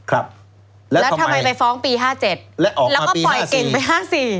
แล้วทำไมไปฟ้องปี๕๗แล้วก็ปล่อยเก่งไป๕๔